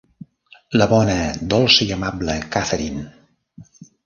La bona, dolça i amable Catherine!